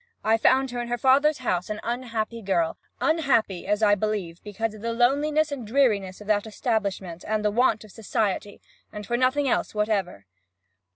I found her in her father's house an unhappy girl unhappy, as I believe, because of the loneliness and dreariness of that establishment, and the want of society, and for nothing else whatever.